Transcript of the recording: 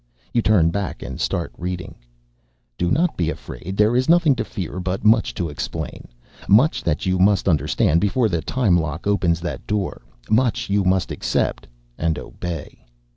You turn back and start reading. "Do not be afraid. There is nothing to fear, but much to explain. Much that you must understand before the time lock opens that door. Much that you must accept and obey.